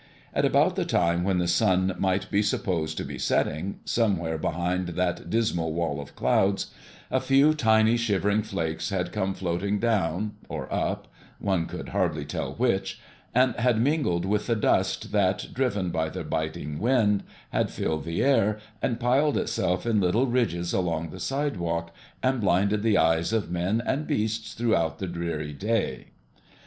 At about the time when the sun might be supposed to be setting, somewhere behind that dismal wall of clouds, a few tiny, shivering flakes had come floating down or up, one could hardly tell which, and had mingled with the dust that, driven by the biting wind, had filled the air, and piled itself in little ridges along the sidewalk, and blinded the eyes of men and beasts throughout the dreary day.